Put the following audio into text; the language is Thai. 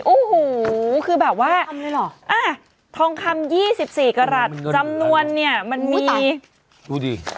โอ้โหคือแบบว่าอ่ะทองคำยี่สิบสี่กรัสจำนวนเนี้ยมันมีดูดิ